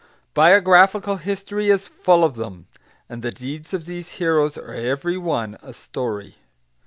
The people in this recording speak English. Biographical history is full of them. And the deeds of these heroes are every one a story.